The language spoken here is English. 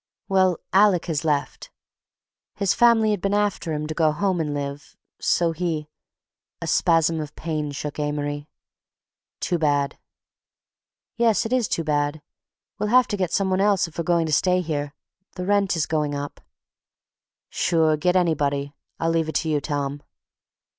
"Well, Alec has left. His family had been after him to go home and live, so he—" A spasm of pain shook Amory. "Too bad." "Yes, it is too bad. We'll have to get some one else if we're going to stay here. The rent's going up." "Sure. Get anybody. I'll leave it to you, Tom."